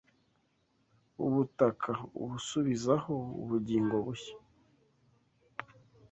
Ubutaka ubusubizaho ubugingo bushya